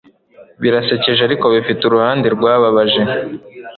birasekeje, ariko bifite uruhande rwababaje